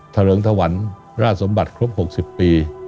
เลิงถวันราชสมบัติครบ๖๐ปี